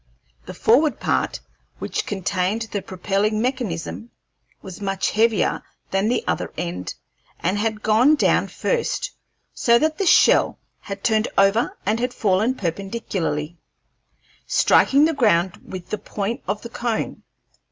The forward part, which contained the propelling mechanism, was much heavier than the other end, and had gone down first, so that the shell had turned over and had fallen perpendicularly, striking the ground with the point of the cone.